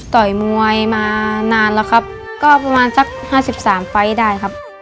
ต่อยมวยมานานแล้วครับก็ประมาณสักห้าสิบสามไฟล์ได้ครับ